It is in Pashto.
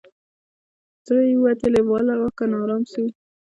زړه یې ووتی له واکه نا آرام سو